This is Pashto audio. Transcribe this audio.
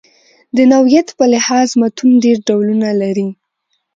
د نوعیت په لحاظ متون ډېر ډولونه لري.